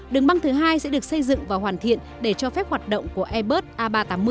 đường băng thứ hai sẽ được xây dựng và hoàn thiện để cho phép hoạt động của airbus a ba trăm tám mươi